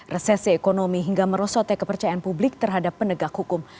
resesi ekonomi hingga merosotnya kepercayaan publik terhadap penegak hukum